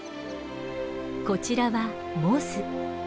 こちらはモズ。